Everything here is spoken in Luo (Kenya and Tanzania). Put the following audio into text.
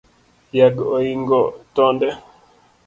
Yag ooingo tonde